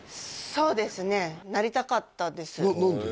そうですねなりたかったです何で？